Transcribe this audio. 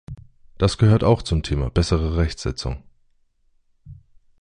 Das gehört auch zum Thema bessere Rechtsetzung.